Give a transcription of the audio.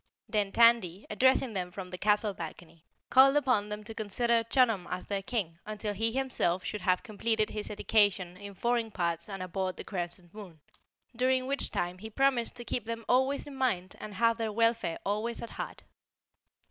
Then Tandy, addressing them from the castle balcony, called upon them to consider Chunum as their King until he himself should have completed his education in foreign parts and aboard the Crescent Moon, during which time he promised to keep them always in mind and have their welfare always at heart.